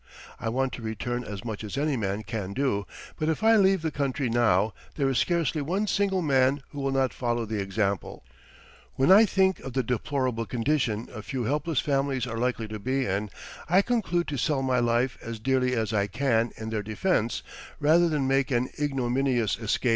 I want to return as much as any man can do; but if I leave the country now there is scarcely one single man who will not follow the example. When I think of the deplorable condition a few helpless families are likely to be in, I conclude to sell my life as dearly as I can in their defense rather than make an ignominious escape."